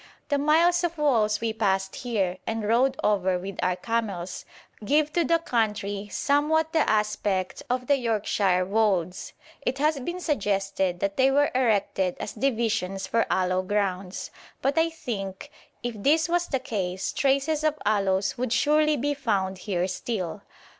The miles of walls we passed here, and rode over with our camels, give to the country somewhat the aspect of the Yorkshire wolds. It has been suggested that they were erected as divisions for aloe grounds; but I think if this was the case traces of aloes would surely be found here still.